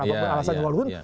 apapun alasan yang walaupun